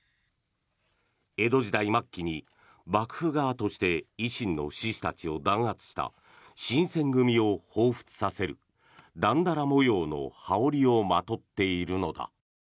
江戸時代末期に幕府側として維新の志士たちを弾圧した新選組をほうふつさせるだんだら模様の羽織をまとっているのだ。